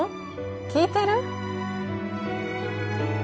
聞いてる？